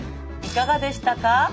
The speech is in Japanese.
いかがでしたか？